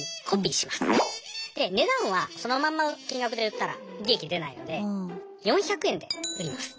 で値段はそのまんま金額で売ったら利益出ないので４００円で売ります。